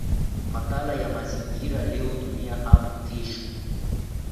makala ya mazingira leo dunia hapo kesho